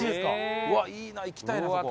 うわっいいな行きたいなそこ。